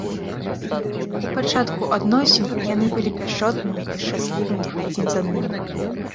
У пачатку адносін яны былі пяшчотнымі і шчаслівымі адзін з адным.